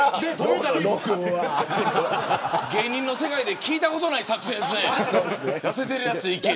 芸人の世界で聞いたことがない作戦ですね。